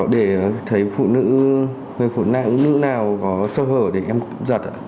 để thấy phụ nữ người phụ nạn nữ nào có sơ hở để em cướp giật